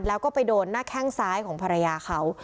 แล้วก็ไปโดนหน้าแข้งซ้ายของภรรยาเขา